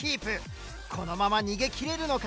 このまま逃げ切れるのか？